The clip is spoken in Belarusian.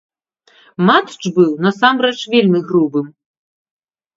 Матч быў насамрэч вельмі грубым.